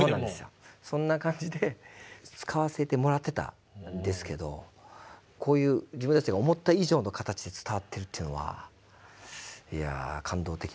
そんな感じで使わせてもらってたんですけどこういう自分たちが思った以上の形で伝わってるというのはいや感動的ですね